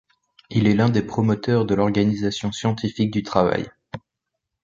Il est l'un des promoteurs de l'organisation scientifique du travail.